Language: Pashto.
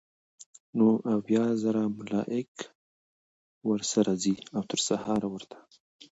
نو اويا زره ملائک ورسره ځي؛ او تر سهاره ورته